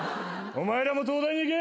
お前らも東大に行け。